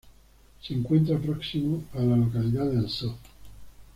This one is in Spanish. Se encuentra próximo a la localidad de Ansó.